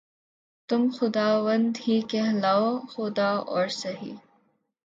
تم خداوند ہی کہلاؤ‘ خدا اور سہی